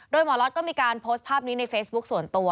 โดยหมอล็อตก็มีการโพสต์ภาพนี้ในเฟซบุ๊คส่วนตัว